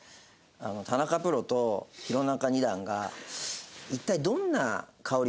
田中プロと弘中二段が一体香り？